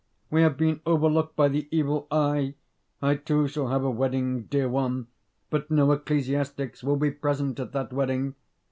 We have been overlooked by the evil eye. I too shall have a wedding, dear one; but no ecclesiastics will be present at that wedding.